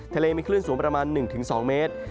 ทะเลมีคลื่นสูงประมาณ๑๒เมตร